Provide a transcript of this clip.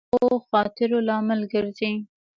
استاد د ښو خاطرو لامل ګرځي.